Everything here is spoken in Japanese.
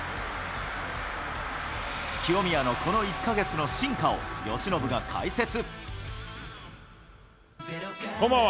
清宮のこの１か月の進化を由伸が解説。